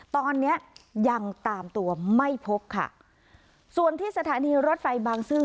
ตอนเนี้ยยังตามตัวไม่พบค่ะส่วนที่สถานีรถไฟบางซื่อ